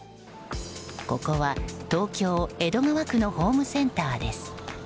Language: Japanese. ここは東京・江戸川区のホームセンターです。